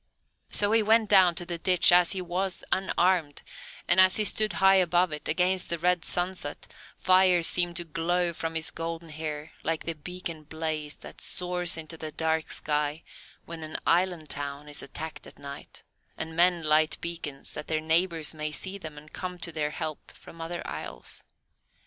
So he went down to the ditch as he was, unarmed, and as he stood high above it, against the red sunset, fire seemed to flow from his golden hair like the beacon blaze that soars into the dark sky when an island town is attacked at night, and men light beacons that their neighbours may see them and come to their help from other isles.